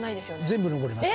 全部上ります。